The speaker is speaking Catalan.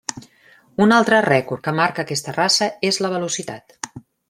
Un altre rècord que marca aquesta raça és la velocitat.